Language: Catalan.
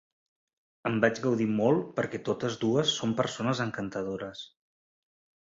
En vaig gaudir molt perquè totes dues són persones encantadores.